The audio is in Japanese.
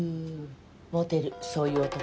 モテるそういう男。